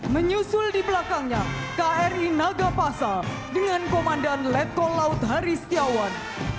menyusul di belakangnya kri nagapasa dengan komandan letkol laut haristiawan